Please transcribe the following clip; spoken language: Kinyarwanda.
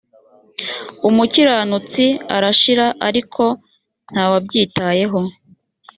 umukiranutsi arashira ariko nta wabyitayeho